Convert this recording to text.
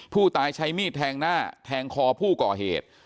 ผู้ตายใช้มีดแทงหน้าแทงคอผู้ก่อเหตุ